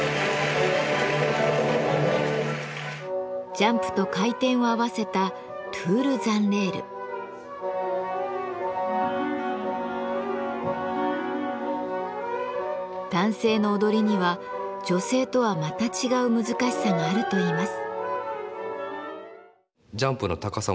ジャンプと回転を合わせた男性の踊りには女性とはまた違う難しさがあるといいます。